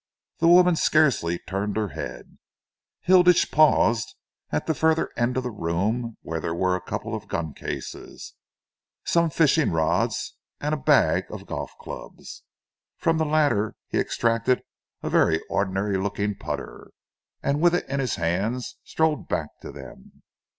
The woman scarcely turned her head. Hilditch paused at the further end of the room, where there were a couple of gun cases, some fishing rods and a bag, of golf clubs. From the latter he extracted a very ordinary looking putter, and with it in his hands strolled back to them.